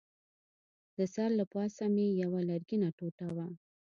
د سر له پاسه مې یوه لرګینه ټوټه وه.